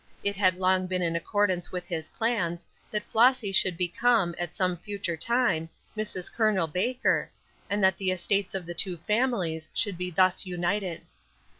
It had long been in accordance with his plans, that Flossy should become, at some future time, Mrs. Col. Baker, and that the estates of the two families should be thus united.